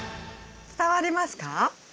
伝わりますか？